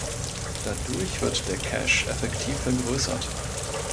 Dadurch wird der Cache effektiv vergrößert.